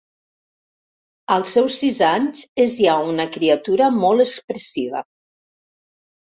Als seus sis anys és ja una criatura molt expressiva.